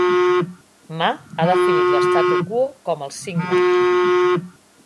Ma ha definit l'statu quo com els Cinc No.